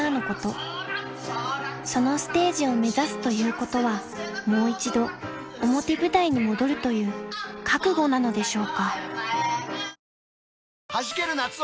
［そのステージを目指すということはもう一度表舞台に戻るという覚悟なのでしょうか？］